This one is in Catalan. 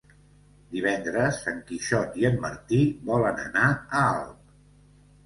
Divendres en Quixot i en Martí volen anar a Alp.